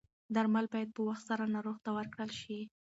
درمل باید په وخت سره ناروغ ته ورکړل شي.